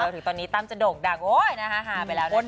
ถึงตอนนี้ตั้มจะโด่งดังโอ๊ยนะฮะหาไปแล้วนะคะ